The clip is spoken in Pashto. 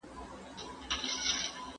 د بدن غږ واورئ.